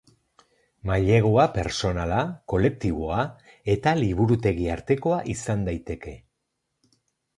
Mailegua pertsonala, kolektiboa eta liburutegi artekoa izan daiteke.